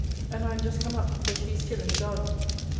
And I am just come up; for she is still in the garden.